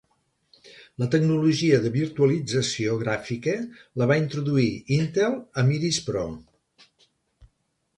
La tecnologia de Virtualització Gràfica la va introduir Intel amb Iris Pro.